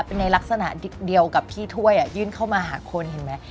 เป็นในลักษณะเดียวกับพี่ถ้วยยื่นเข้ามาหาคนเห็นไหม